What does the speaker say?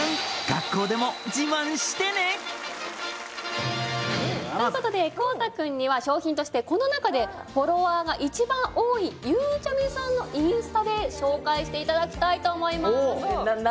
学校でも自慢してねということで康太君には賞品としてこの中でフォロワーが一番多いゆうちゃみさんのインスタで紹介していただきたいと思います